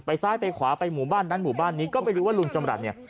ซ้ายไปขวาไปหมู่บ้านนั้นหมู่บ้านนี้ก็ไม่รู้ว่าลุงจำรัฐเนี่ย